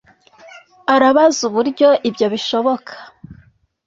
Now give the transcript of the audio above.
arabaza uburyo ibyo bishoboka